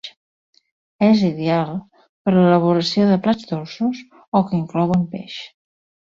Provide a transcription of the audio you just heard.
És ideal per l'elaboració de plats dolços o que inclouen peix.